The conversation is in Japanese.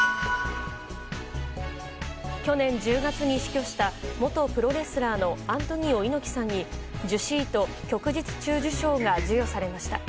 去年１０月に死去した元プロレスラーのアントニオ猪木さんに従四位と旭日中綬章が授与されました。